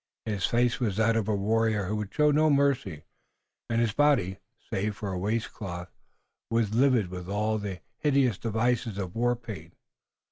His face was that of the warrior who would show no mercy, and his body, save for a waistcloth, was livid with all the hideous devices of war paint.